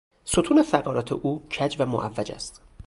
ستون فقرات او کج و معوج است.